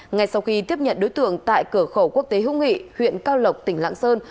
ngay sau khi tiếp nhận đối tượng tại cửa khẩu quốc tế hữu nghị huyện cao lộc tỉnh lạng sơn